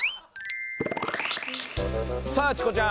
さあチコちゃん。